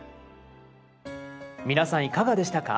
皆さんいかがでしたか？